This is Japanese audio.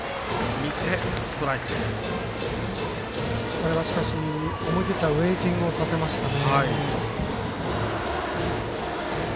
これは、しかし思い切ったウエイティングをさせましたね。